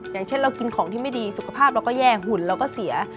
อย่างเช่นเรากินของที่ไม่ดีสุขภาพเราก็แย่หุ่นเราก็เสีย